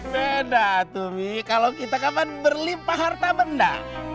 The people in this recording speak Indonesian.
beda tuh kalau kita kapan berlimpah harta benda